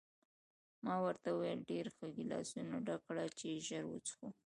ما ورته وویل: ډېر ښه، ګیلاسونه ډک کړه چې ژر وڅښو.